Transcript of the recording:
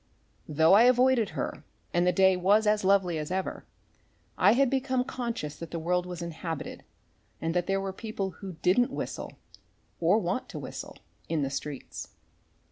Though I avoided her and the day was as lovely as ever, I had become conscious that the world was inhabited and that there were people who didn't whistle or want to whistle in the streets.